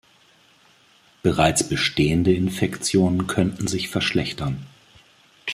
Bereits bestehende Infektionen könnten sich verschlechtern.